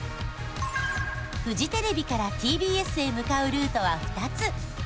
フジテレビからＴＢＳへ向かうルートは２つ